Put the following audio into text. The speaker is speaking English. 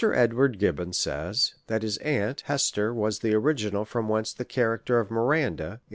Edward Gibbon says, that his aunt Hester was the original from whence the character of Miranda, in THE REV.